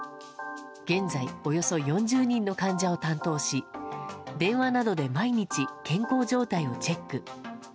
現在、およそ４０人の患者を担当し、電話などで毎日、健康状態をチェック。